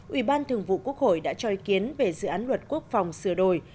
ủy ban thường vụ quốc hội đã cho ý kiến về dự án luật quốc phòng sửa đổi